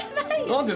何で？